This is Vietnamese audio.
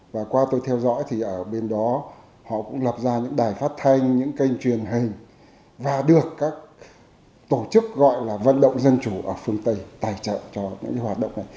và qua tôi theo dõi thì ở bên đó họ cũng lập ra những đài phát thanh những kênh truyền hình và được các tổ chức gọi là vận động dân chủ ở phương tây tài trợ cho những hoạt động này